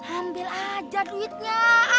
ambil aja duitnya